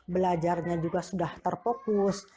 belajarnya juga sudah terfokus